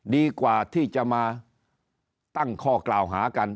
ดีกว่าที่จะมาตั้งข้อกล่าวหากัน